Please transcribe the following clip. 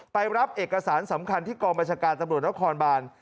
รับเอกสารสำคัญที่กองบัญชาการตำรวจนครบาน